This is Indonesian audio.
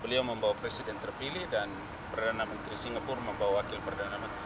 beliau membawa presiden terpilih dan perdana menteri singapura membawa wakil perdana menteri